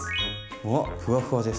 うわっふわふわです。